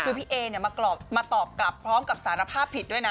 คือพี่เอมาตอบกลับพร้อมกับสารภาพผิดด้วยนะ